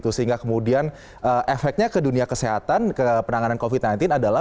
sehingga kemudian efeknya ke dunia kesehatan ke penanganan covid sembilan belas adalah